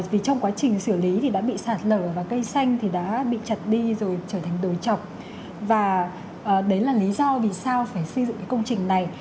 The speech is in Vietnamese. vì trong quá trình xử lý thì đã bị sạt lở và cây xanh thì đã bị chặt đi rồi trở thành đồi chọc và đấy là lý do vì sao phải xây dựng cái công trình này